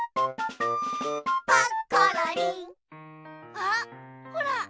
あっほら！